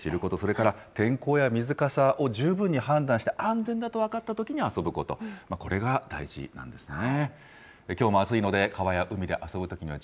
まずは川について知ること、それから天候や水かさを十分に判断して、安全だと分かったときに遊ぶこと、これが大事なんですね。